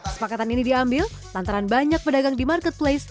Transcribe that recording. sepakatan ini diambil lantaran banyak pedagang di marketplace